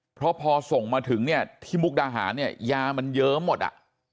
เพราะพอส่งมาถึงเนี่ยที่มุกดาหารเนี่ยยามันเยอะหมดอ่ะ